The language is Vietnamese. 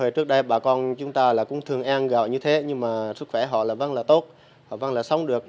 trước đây bà con chúng ta cũng thường ăn gạo như thế nhưng mà sức khỏe họ vẫn là tốt họ vẫn là sống được